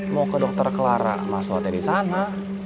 mau ke dokter clara mas soha tadi sana